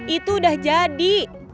itu udah jadi